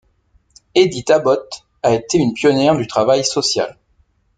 Edith Abbott a été une pionnière du travail social.